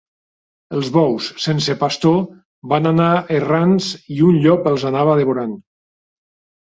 Els bous, sense pastor, van anar errants i un llop els anava devorant.